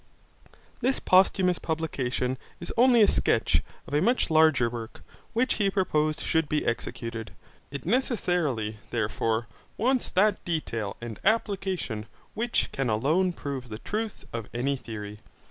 This posthumous publication is only a sketch of a much larger work, which he proposed should be executed. It necessarily, therefore, wants that detail and application which can alone prove the truth of any theory.